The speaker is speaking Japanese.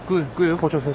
校長先生。